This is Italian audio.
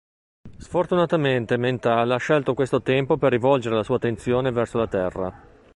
Sfortunatamente, Mental ha scelto questo tempo per rivolgere la sua attenzione verso la Terra.